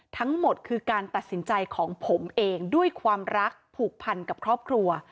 ทั้งหมดคือการตัดสินใจของผมเองด้วยความรักผูกพันกับครอบครัว